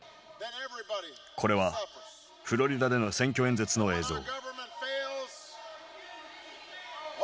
これはフロリダでの選挙演説の映像。